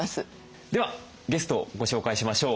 ではゲストをご紹介しましょう。